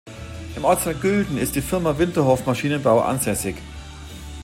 Im Ortsteil Gülden ist die Firma Winterhoff Maschinenbau ansässig.